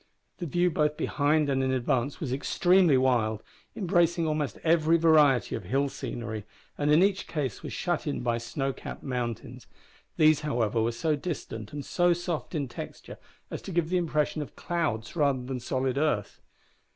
The view both behind and in advance was extremely wild, embracing almost every variety of hill scenery, and in each case was shut in by snow capped mountains. These, however, were so distant and so soft in texture as to give the impression of clouds rather than solid earth.